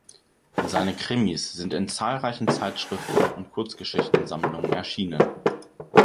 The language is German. Seine Krimis sind in zahlreichen Zeitschriften und Kurzgeschichtensammlungen erschienen.